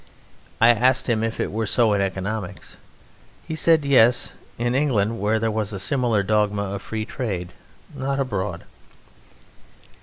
I asked him if it were so in economics. He said: Yes, in England, where there was a similar dogma of Free Trade: not abroad.